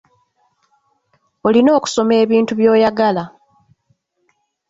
Olina okusoma ebintu by’oyagala.